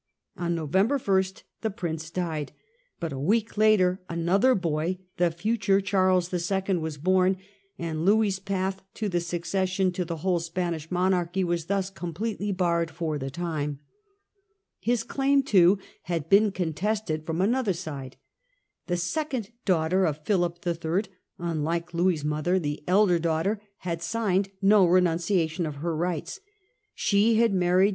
On November 1 the prince died ; but a week later another boy, the future Charles II., was born, and Louis's path to the succession to the whole Spanish monarchy was thus completely barred for the time. His claim, too, had been contested from another side. The second daughter of Philip III., unlike Louis's The mother, the elder daughter, had signed no Emperor's renunciation of her rights. She had married cai®.